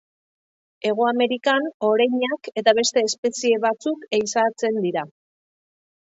Hego Amerikan, oreinak eta beste espezie batzuk ehizatzen dira.